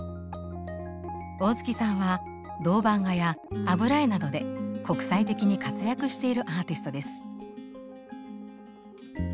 大月さんは銅版画や油絵などで国際的に活躍しているアーティストです。